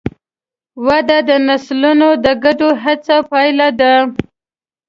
ودې د نسلونو د ګډو هڅو پایله ده.